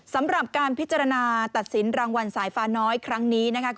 สำหรับการพิจารณาตัดสินรางวัลสายฟ้าน้อยครั้งนี้นะคะ